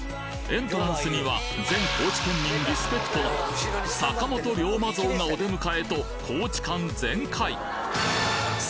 エントランスには全高知県民リスペクトの坂本龍馬像がお出迎えと高知感全開